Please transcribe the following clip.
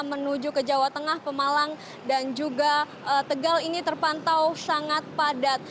menuju ke jawa tengah pemalang dan juga tegal ini terpantau sangat padat